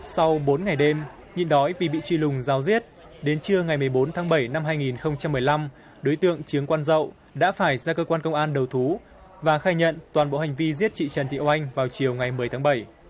sau bốn ngày đêm nhịn đói vì bị truy lùng giao diết đến trưa ngày một mươi bốn tháng bảy năm hai nghìn một mươi năm đối tượng chiến quan dậu đã phải ra cơ quan công an đầu thú và khai nhận toàn bộ hành vi giết chị trần thị oanh vào chiều ngày một mươi tháng bảy